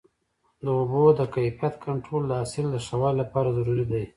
د اوبو د کیفیت کنټرول د حاصل د ښه والي لپاره ضروري دی.